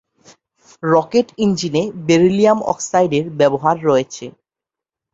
Rocket ইঞ্জিনে beryllium অক্সাইডের ব্যবহার রয়েছে।